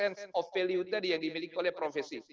dan ada sense of value tadi yang dimiliki oleh profesi